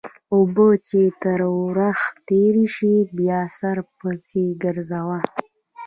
اوبه چې تر ورخ تېرې شي؛ بیا سر مه پسې ګرځوه.